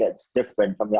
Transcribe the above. hal utama yang berbeda adalah